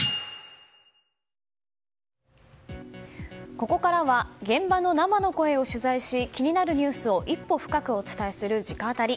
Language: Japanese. ここからは現場の生の声を取材し気になるニュースを一歩深くお伝えする直アタリ。